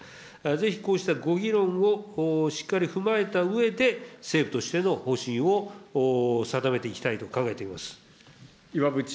ぜひこうしたご議論をしっかり踏まえたうえで、政府としての方針を定めていきたいと考えています。